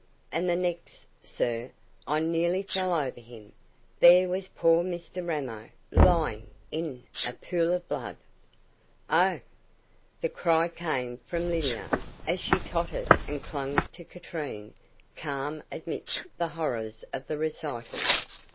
"And the next, sir I nearly fell over him there was poor Mr Ramo lying in a pool of blood." "Oh!" The cry came from Lydia as she tottered and clung to Katrine, calm amidst the horrors of the recital.